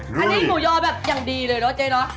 อันนี้หมูยอแบบอย่างดีเลยเนอะเจ๊เนอะ